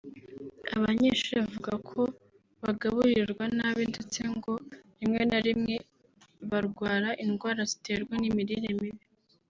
Abanyeshuri bavuga ko bagaburirwa nabi ndetse ngo rimwe na rimwe barwara indwara ziterwa n’imirire mibi